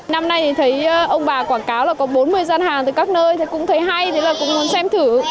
năm nay thì thấy ông bà quảng cáo là có bốn mươi gian hàng từ các nơi thì cũng thấy hay thế là cũng muốn xem thử